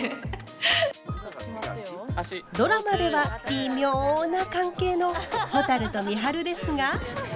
ドラマではビミョな関係のほたると美晴ですが。